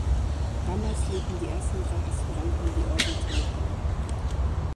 Damals legten die ersten drei Aspiranten die Ordensgelübde ab.